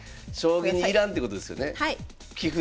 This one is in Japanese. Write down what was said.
将棋にいらんってことですよね？